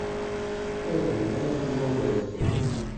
Wa d urar n wawalen.